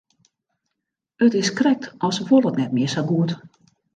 It is krekt as wol it net mear sa goed.